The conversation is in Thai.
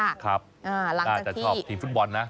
น่าจะชอบทีมฟุตบอลนะ